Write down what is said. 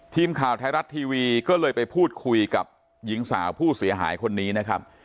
ทีมข่าวไทยรัฐทีวีก็เลยไปพูดคุยกับหญิงสาวผู้เสียหายคนนี้นะครับ